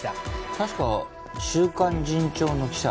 確か『週刊進帳』の記者？